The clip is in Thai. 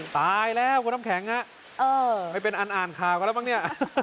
ตายแล้วคุณน้ำแข็งฮะไม่เป็นอันอ่านข่าวกันแล้วมั้งเนี่ย